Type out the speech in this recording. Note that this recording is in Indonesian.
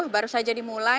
baru saja dimulai